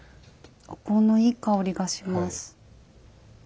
お香のいい香りがします。